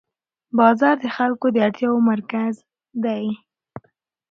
بازار د خلکو د اړتیاوو مرکز دی